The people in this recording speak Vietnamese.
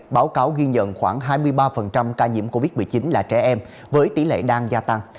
báo cáo ghi nhận khoảng hai mươi ba ca nhiễm covid một mươi chín là trẻ em với tỷ lệ đang gia tăng